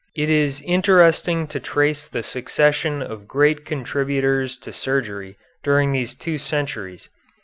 It is interesting to trace the succession of great contributors to surgery during these two centuries.